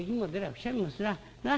くしゃみもすらあ。